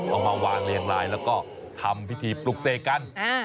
เอามาวางเรียงลายแล้วก็ทำพิธีปลุกเสกกัน